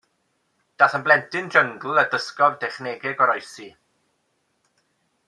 Daeth yn blentyn jyngl a dysgodd dechnegau goroesi.